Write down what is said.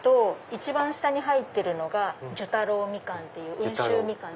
一番下に入ってるのが寿太郎みかんという温州みかん。